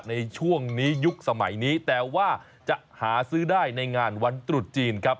ในช่วงนี้ยุคสมัยนี้แต่ว่าจะหาซื้อได้ในงานวันตรุษจีนครับ